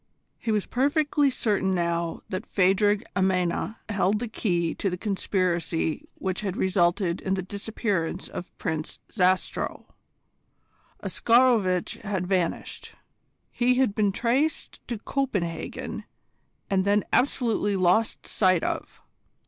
He was perfectly certain now that Phadrig Amena held the key to the conspiracy which had resulted in the disappearance of Prince Zastrow. Oscarovitch had vanished. He had been traced to Copenhagen, and then absolutely lost sight of.